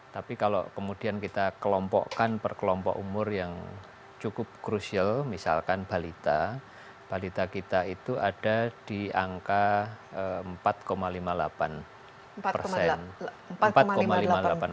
tapi kalau kemudian kita kelompokkan per kelompok umur yang cukup krusial misalkan balita balita kita itu ada di angka empat lima puluh delapan persen